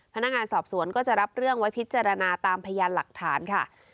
พนักงานสอบสวนก็จะรับเรื่องไว้พิจารณาตามพยานหลักฐานค่ะ